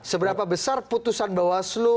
seberapa besar putusan bawaslu